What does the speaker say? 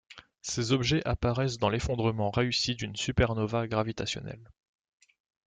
Ces objets apparaissent dans l'effondrement réussi d'une supernova gravitationnelle.